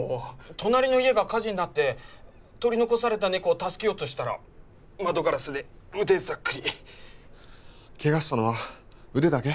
隣の家が火事になって取り残された猫を助けようとしたら窓ガラスで腕ざっくりケガしたのは腕だけ？